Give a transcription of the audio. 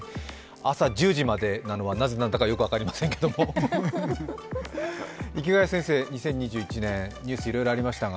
朝１０時までなのはなぜなのかはよく分かりませんけれども、池谷先生、２０２１年、ニュースいろいろありましたが？